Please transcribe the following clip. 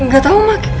gak tau mak